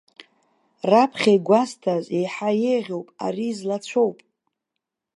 Раԥхьа игәасҭаз еиҳа еиӷьуп, ари злацәоуп.